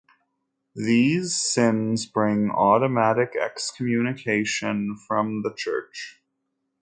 These sins bring automatic excommunication from the Church.